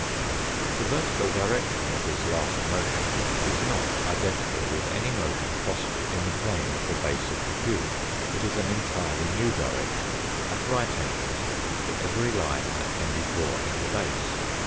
The vertical direction of this last motion is not identical with any motion possible in the plane of the base of the cube. It is an entirely new direction, at right angles to every line that can be drawn in the base.